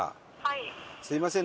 すみません